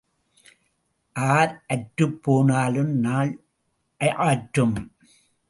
R அற்றுப் போனாலும் நாள் ஆற்றும்.